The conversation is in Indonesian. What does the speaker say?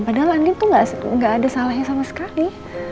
padahal andin tuh gak ada salahnya sama sekali